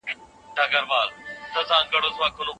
کنايي طلاق ئې داسي تعريف کړی دی.